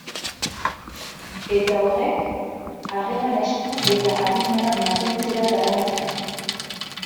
Eta horrek harreman estu eta arina mantentzera garamatza.